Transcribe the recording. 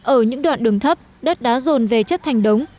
ở những đoạn đường thấp đất đá rồn về chất thành đống